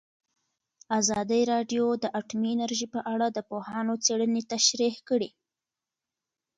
ازادي راډیو د اټومي انرژي په اړه د پوهانو څېړنې تشریح کړې.